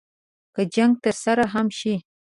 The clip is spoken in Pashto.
که جنګ ترسره هم شي.